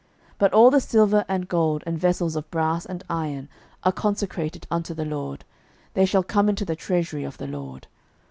06:006:019 But all the silver, and gold, and vessels of brass and iron, are consecrated unto the LORD: they shall come into the treasury of the LORD.